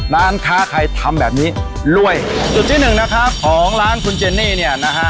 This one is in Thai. ร้านค้าใครทำแบบนี้รวยจุดที่หนึ่งนะครับของร้านคุณเจนี่เนี่ยนะฮะ